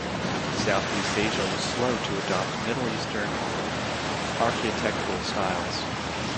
Southeast Asia was slow to adopt Middle Eastern architectural styles.